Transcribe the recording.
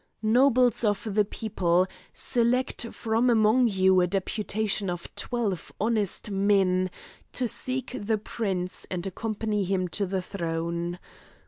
Nobles of the people, select from among you a deputation of twelve honest men, to seek the prince and accompany him to the throne.